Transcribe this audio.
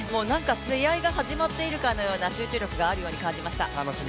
試合が始まっているかのような集中力があるように感じました。